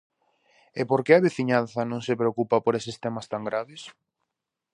E por que á veciñanza non se preocupa por eses temas tan graves?